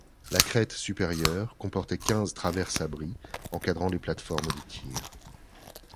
La crête supérieure comportait quinze traverses-abris encadrant les plates-formes de tir.